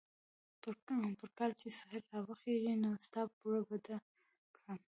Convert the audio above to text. پر کال چې سهيل را وخېژي؛ نو ستا پور به در کړم.